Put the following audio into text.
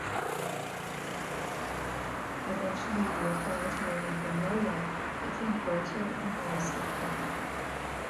Eventually the authority of Ogunlola became greater and more respected.